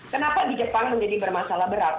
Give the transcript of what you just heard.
kenapa di jepang menjadi bermasalah berat